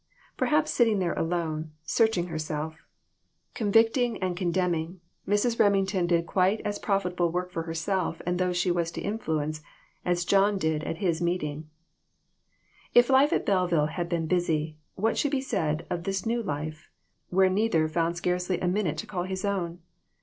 Perhaps sitting there alone, searching herself, convicting THIS WORLD, AND THE OTHER ONE. 22/ and condemning, Mrs. Remington did quite as profitable work for herself and those she was to influence as John did at his meeting. If life at Belleville had been busy, what should be said of this new life, when neither found scarcely a minute to call his own.